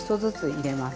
入れます。